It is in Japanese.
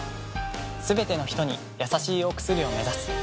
すべてのひとにやさしいお薬を目指す。